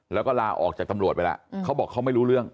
แล้วก็ลาออกจากตำรวจไปแล้วเขาบอกเขาไม่รู้เรื่อง